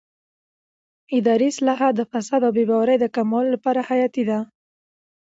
اداري اصلاحات د فساد او بې باورۍ د کمولو لپاره حیاتي دي